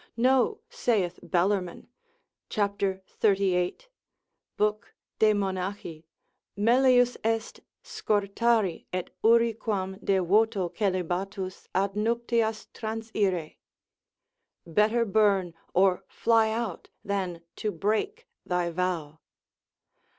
No, saith Bellarmine, cap. 38. lib. de Monach. melius est scortari et uri quam de voto coelibatus ad nuptias transire, better burn or fly out, than to break thy vow.